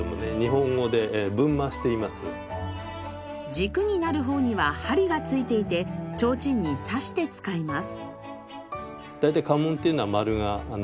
軸になる方には針が付いていて提灯に刺して使います。